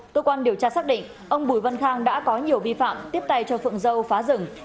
cơ quan điều tra xác định ông bùi văn khang đã có nhiều vi phạm tiếp tay cho phượng dâu phá rừng